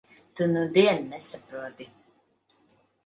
Tu nudien nesaproti.